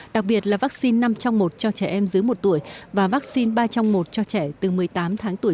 đặc biệt là vaccine năm trong một cho trẻ em dưới một tuổi và vaccine ba trong một cho trẻ từ một mươi tám tháng tuổi